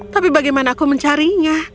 tapi bagaimana aku mencarinya